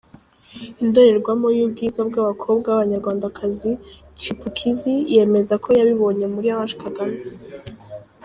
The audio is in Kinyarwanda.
Indorerwamo y'ubwiza bw'abakobwa b'abanyarwandakazi, Chipukizzy yemeza ko yabibonye muri Ange Kagame.